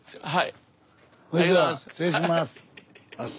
はい？